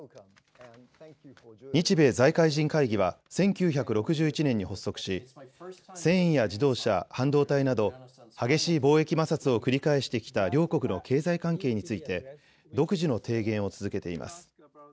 日米財界人会議は１９６１年に発足し繊維や自動車、半導体など激しい貿易摩擦を繰り返してきた両国の経済関係について独自の提言を続けています。